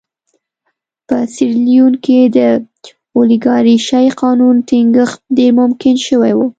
په سیریلیون کې د اولیګارشۍ قانون ټینګښت ډېر ممکن شوی و.